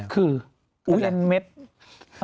คืออะไรปะ